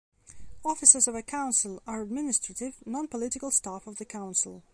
Officers of a council are administrative, non-political staff of the council.